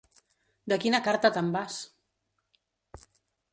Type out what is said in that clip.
De quina carta te'n vas!